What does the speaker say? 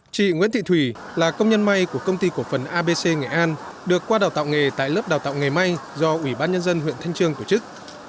chị nguyễn thị thủy là công nhân may của công ty cổ phần abc nghệ an được qua đào tạo nghề tại lớp đào tạo nghề may do ủy ban nhân dân huyện thanh trương tổ chức